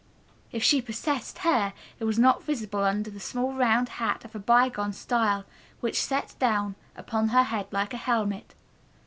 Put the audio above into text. If she possessed hair it was not visible under the small round hat of a by gone style which set down upon her head like a helmet.